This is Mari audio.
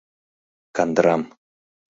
Кандырам.